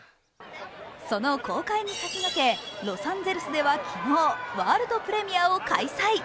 その公開に先駆け、ロサンゼルスでは昨日ワールドプレミアを開催。